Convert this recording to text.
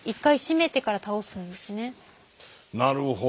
なるほど。